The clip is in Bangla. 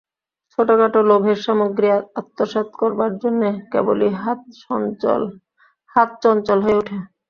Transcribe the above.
ছোটোখাটো লোভের সামগ্রী আত্মসাৎ করবার জন্যে কেবলই হাত চঞ্চল হয়ে ওঠে।